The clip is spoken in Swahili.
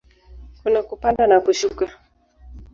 Kuna kupanda na kushuka.